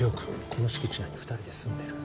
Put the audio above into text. この敷地内に２人で住んでる。